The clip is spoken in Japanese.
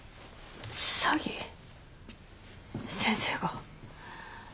詐欺？先生が？